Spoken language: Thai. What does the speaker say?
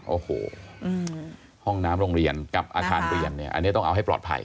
โอ้โหห้องน้ำโรงเรียนกับอาคารเรียนเนี่ยอันนี้ต้องเอาให้ปลอดภัย